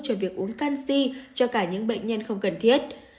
cho việc uống canxi cho cả những bệnh nhân không cần thiết